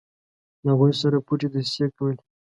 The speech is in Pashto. له هغوی سره پټې دسیسې کولې.